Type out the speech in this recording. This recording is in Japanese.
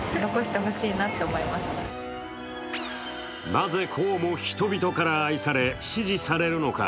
なぜこうも人々から愛され支持されるのか。